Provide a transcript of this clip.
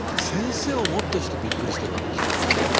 先生をもってしてびっくりしているわけですからね。